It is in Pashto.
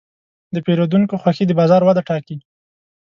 د پیرودونکو خوښي د بازار وده ټاکي.